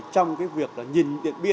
trong việc nhìn điện biên